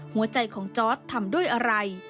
หัวใจของจอร์ดทำด้วยอะไร